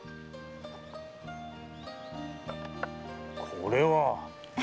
これは！